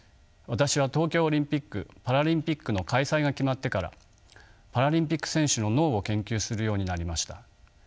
私は東京オリンピック・パラリンピックの開催が決まってからパラリンピック選手の脳を研究するようになりました。